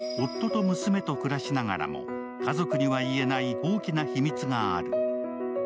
３０歳の水村まなみは夫と娘と暮らしながらも家族には言えない大きな秘密がある。